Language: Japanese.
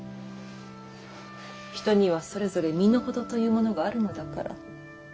人にはそれぞれ身の程というものがあるのだから。